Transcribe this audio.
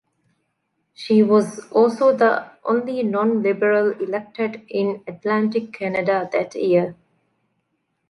She was also the only non-Liberal elected in Atlantic Canada that year.